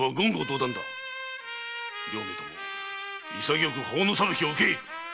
両名とも潔く法の裁きを受けい！